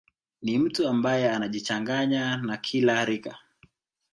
Ni mtu ambaye anajichanganya na kila rika